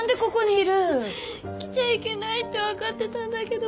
来ちゃいけないって分かってたんだけど。